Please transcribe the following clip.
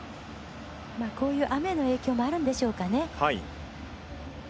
雨の影響もあるんでしょうかね。